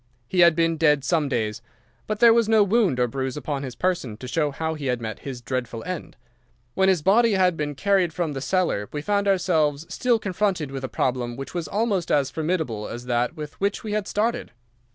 He had been dead some days, but there was no wound or bruise upon his person to show how he had met his dreadful end. When his body had been carried from the cellar we found ourselves still confronted with a problem which was almost as formidable as that with which we had started.